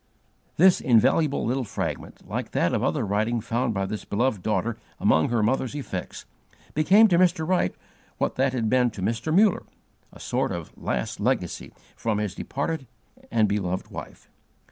This invaluable little fragment, like that other writing found by this beloved daughter among her mother's effects, became to Mr. Wright what that had been to Mr. Muller, a sort of last legacy from his departed and beloved wife.